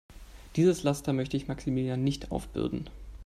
Dieses Laster möchte ich Maximilian nicht aufbürden.